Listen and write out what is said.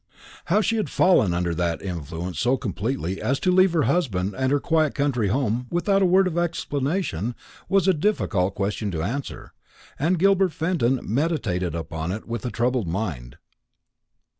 How she had fallen under that influence so completely as to leave her husband and her quiet country home, without a word of explanation, was a difficult question to answer; and Gilbert Fenton meditated upon it with a troubled mind.